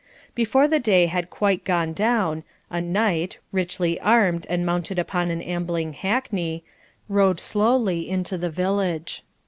Before the day had quite gone down, a knight, richly armed and mounted upon an ambling hackney, rode slowly into the village.